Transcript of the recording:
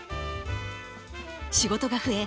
仕事が増え